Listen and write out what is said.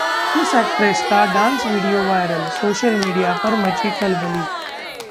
इस एक्ट्रेस का dance video viral, social media पर मची खलबली